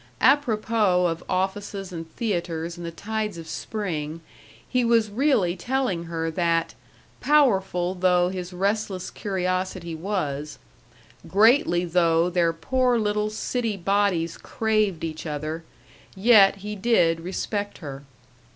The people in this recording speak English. Apropos of offices and theaters and the tides of spring, he was really telling her that, powerful though his restless curiosity was, greatly though their poor little city bodies craved each other, yet he did respect her.